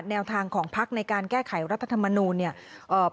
แนวทางของภักรณ์ในการแก้ไขรัฐธรรมนูล